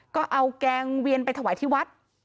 ก็เอาแกงเวียนไปถวายที่วัด